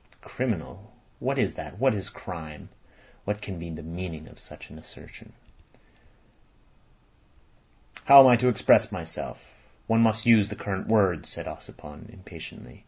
"Criminal! What is that? What is crime? What can be the meaning of such an assertion?" "How am I to express myself? One must use the current words," said Ossipon impatiently.